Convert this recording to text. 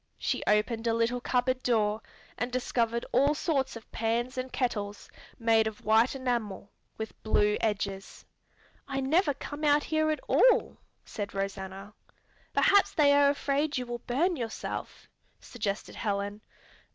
She opened a little cupboard door and discovered all sorts of pans and kettles made of white enamel with blue edges. "I never come out here at all," said Rosanna. "Perhaps they are afraid you will burn yourself," suggested Helen.